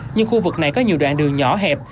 nhưng khu vực này có nhiều đoạn đường nhỏ hẹp